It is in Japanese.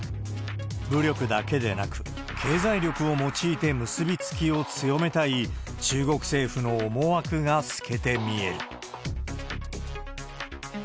武力だけでなく、経済力を用いて結び付きを強めたい中国政府の思惑が透けて見える。